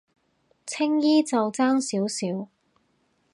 青衣就爭少少